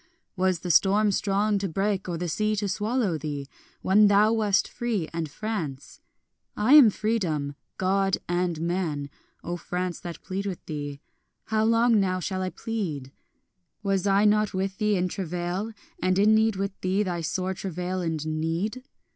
Was the storm strong to break or the sea to swallow thee, When thou wast free and France? I am Freedom, God and man, O France, that plead with thee; How long now shall I plead? Was I not with thee in travail, and in need with thee, Thy sore travail and need?